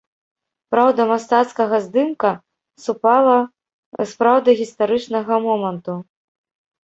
Праўда мастацкага здымка супала з праўдай гістарычнага моманту.